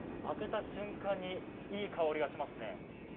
開けた瞬間にいい香りがしますね。